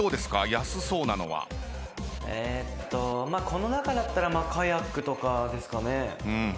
この中だったらカヤックとかですかね。